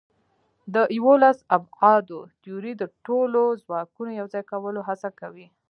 د یوولس ابعادو تیوري د ټولو ځواکونو یوځای کولو هڅه کوي.